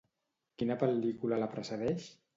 Quina pel·lícula la precedeix?